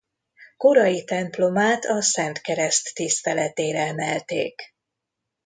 Korai templomát a Szent Kereszt tiszteletére emelték.